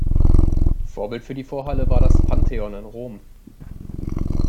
Vorbild für die Vorhalle war das Pantheon in Rom.